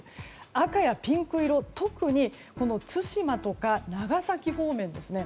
赤やピンク色、特に対馬とか長崎方面ですね。